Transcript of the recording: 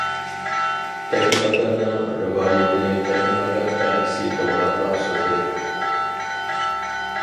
تەكلىماكاننىڭ رىۋايىتىنى تەكلىماكان ئەركىسى توغراقلار سۆزلەيدۇ.